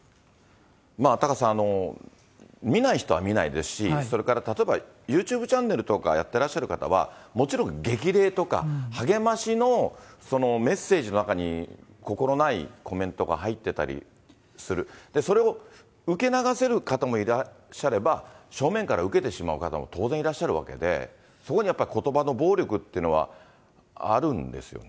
タカさん、見ない人は見ないですし、それから例えばユーチューブチャンネルとかやってらっしゃる方は、もちろん激励とか、励ましのメッセージの中に、心ないコメントが入ってたりする、それを受け流せる方もいらっしゃれば、正面から受けてしまう方も当然いらっしゃるわけで、そこにやっぱ、言葉の暴力っていうのはあるんですよね。